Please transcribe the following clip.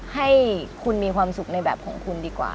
ให้คุณมีความสุขในแบบของคุณดีกว่า